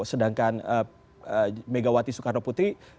sedangkan megawati soekarno putri